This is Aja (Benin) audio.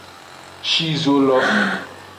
Shi zo lo.